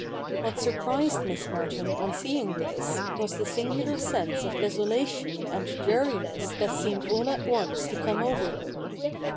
What surprised Miss Merton on seeing this was the singular sense of desolation and dreariness that seemed all at once to come over her.